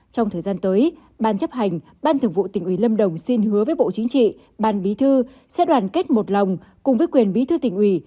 trong thời gian tới ban chấp hành ban thường vụ tỉnh ủy lâm đồng xin hứa với bộ chính trị ban bí thư sẽ đoàn kết một lòng cùng với quyền bí thư tỉnh ủy